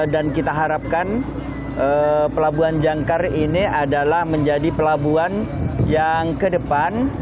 dan kita harapkan pelabuhan jangkar ini adalah menjadi pelabuhan yang ke depan